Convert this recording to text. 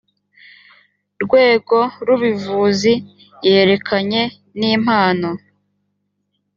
rwego r ubivuzi yerekeranye n impano